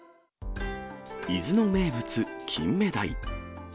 伊豆の名物、キンメダイ。